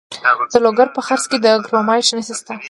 د لوګر په څرخ کې د کرومایټ نښې شته.